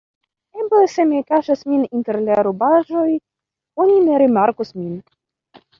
"Eble se mi kaŝas min inter la rubaĵoj, oni ne rimarkos min."